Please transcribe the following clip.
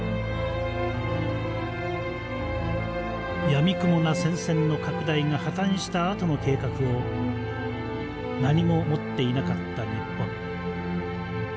やみくもな戦線の拡大が破綻したあとの計画を何も持っていなかった日本。